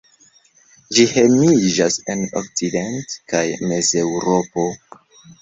Ĝi hejmiĝas en okcident- kaj Mezeŭropo.